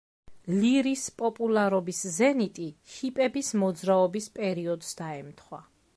ლირის პოპულარობის ზენიტი ჰიპების მოძრაობის პერიოდს დაემთხვა.